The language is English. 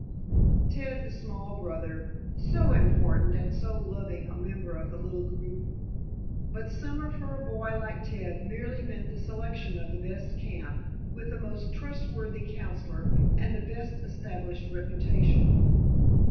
Ted the small brother, so important and so loving a member of the little group. But summer for a boy like Ted merely meant the selection of the best camp, with the most trustworthy counsellor and the best established reputation.